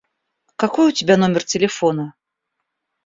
Какой у тебя номер телефона?